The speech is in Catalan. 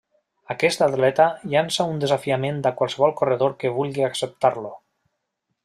Aquest atleta llança un desafiament a qualsevol corredor que vulgui acceptar-lo.